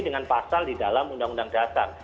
dengan pasal di dalam undang undang dasar